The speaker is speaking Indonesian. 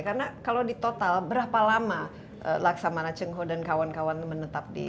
karena kalau di total berapa lama laksamana tionghoa dan kawan kawan menetap di sini